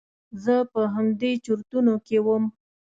زه په همدې چرتونو کې وم.